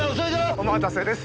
お待たせです。